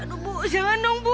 aduh bu jangan dong bu